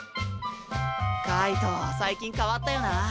海斗最近変わったよな。